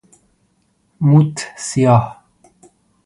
موت سیاه